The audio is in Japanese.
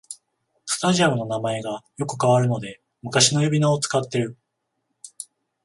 スタジアムの名前がよく変わるので昔の呼び名を使ってる